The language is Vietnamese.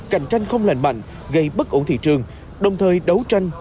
cạnh tranh không lành mạnh gây bất ổn thị trường đồng thời đấu tranh